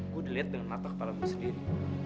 gue delete dengan mata kepala gue sendiri